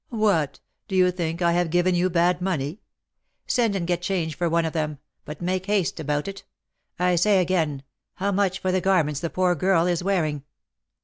"What! do you think I have given you bad money? Send and get change for one of them; but make haste about it. I say, again, how much for the garments the poor girl is wearing?"